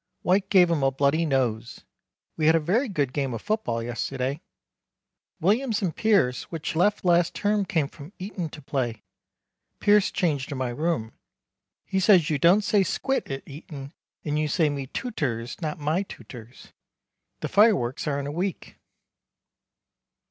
White gave him a bloody nose. We had a very good game of football yesterday. Williams and Pierce which left last term came from Eton to play. Pierce changed in my room. He says you don't say squit at Eton and you say Metutors not My tutors. The fireworks are in a week.